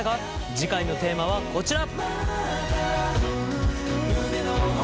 次回のテーマはこちら。